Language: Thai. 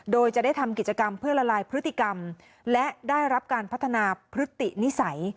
โดยจะได้ทำกิจกรรมเพื่อละลายพฤติกรรมและได้รับการพัฒนาพฤตินิสัย